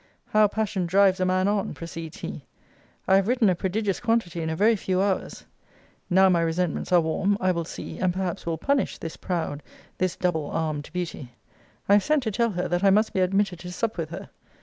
How passion drives a man on! (proceeds he). I have written a prodigious quantity in a very few hours! Now my resentments are warm, I will see, and perhaps will punish, this proud, this double armed beauty. I have sent to tell her, that I must be admitted to sup with her.